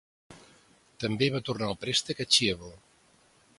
També va tornar el préstec a Chievo.